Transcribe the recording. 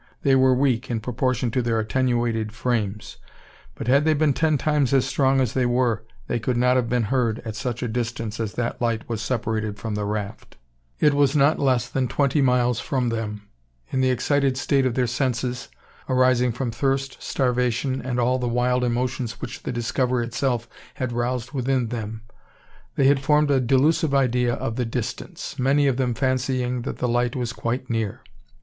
They were weak, in proportion to their attenuated frames; but had they been ten times as strong as they were, they could not have been heard at such a distance as that light was separated from the raft. It was not less than twenty miles from them. In the excited state of their senses, arising from thirst, starvation, and all the wild emotions which the discovery itself had roused within them, they had formed a delusive idea of the distance; many of them fancying that the light was quite near!